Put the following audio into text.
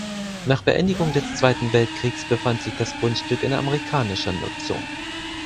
Nach Beendigung des Zweiten Weltkriegs befand sich das Grundstück in amerikanischer Nutzung.